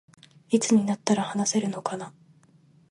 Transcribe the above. いつになったら話せるのかな